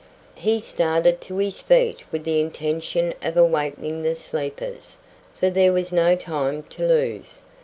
He started to his feet with the intention of awakening the sleepers, for there was no time to lose.